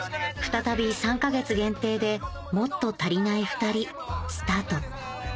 再び３か月限定で『もっとたりないふたり』スタート